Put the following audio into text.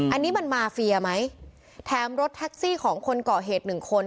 อันนี้มันมาเฟียไหมแถมรถแท็กซี่ของคนก่อเหตุหนึ่งคน